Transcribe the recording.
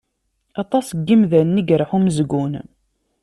Aṭas n yimdanen i yerḥa umezgun.